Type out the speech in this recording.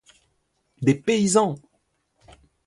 Des paysans!